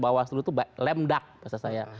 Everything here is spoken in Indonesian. bawah seluruh itu lemdak bahasa saya